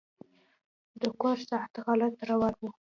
د کور ساعت غلط روان و.